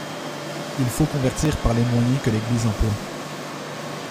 Il faut convertir par les moyens que l'Église emploie.